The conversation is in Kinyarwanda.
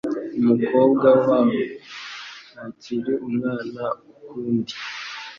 Umukobwa wawe ntakiri umwana ukundi.